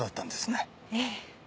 ええ。